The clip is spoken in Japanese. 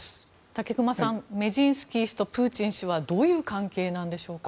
武隈さんメジンスキー氏とプーチン氏はどういう関係なんでしょうか。